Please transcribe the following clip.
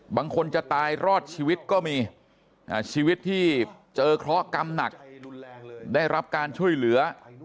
บางคนจะตายรอดชีวิตก็มีชีวิตที่เจอเคราะหกรรมหนักได้รับการช่วยเหลือ